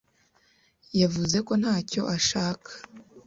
yavuze ko ntacyo ashaka.